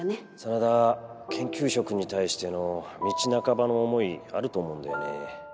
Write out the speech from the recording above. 真田研究職に対しての道半ばの思いあると思うんだよね。